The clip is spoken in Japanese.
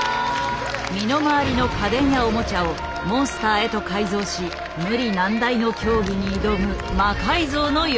身の回りの家電やオモチャをモンスターへと改造し無理難題の競技に挑む「魔改造の夜」。